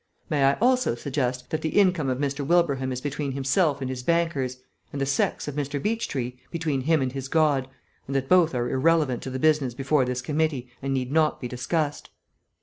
May I also suggest that the income of Mr. Wilbraham is between himself and his bankers, and the sex of Mr. Beechtree between him and his God, and that both are irrelevant to the business before this committee and need not be discussed."